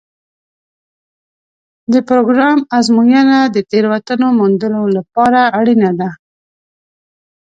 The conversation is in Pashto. د پروګرام ازموینه د تېروتنو موندلو لپاره اړینه ده.